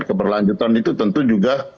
keberlanjutan itu tentu juga